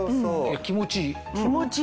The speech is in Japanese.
気持ちいい。